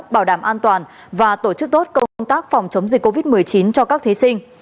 bảo đảm an toàn và tổ chức tốt công tác phòng chống dịch covid một mươi chín cho các thí sinh